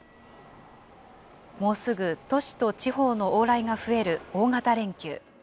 もうすぐ、都市と地方の往来が増える大型連休。